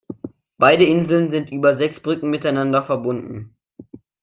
Beide Inseln sind über sechs Brücken miteinander verbunden.